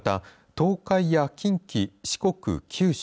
東海や近畿、四国、九州